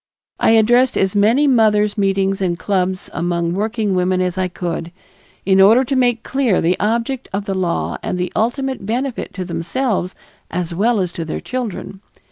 I addressed as many mothers' meetings and clubs among working women as I could, in order to make clear the object of the law and the ultimate benefit to themselves as well as to their children.